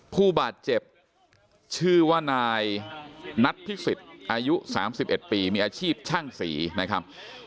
ผู้บาดเจ็บชื่อว่านายนัดภิกษิตอายุสามสิบเอ็ดปีมีอาชีพช่างสีนะครับ